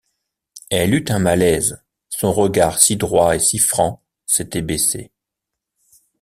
Elle eut un malaise, son regard si droit et si franc s’était baissé.